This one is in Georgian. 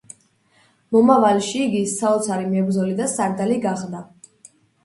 მომავალში იგი საოცარი მებრძოლი და სარდალი გახდა.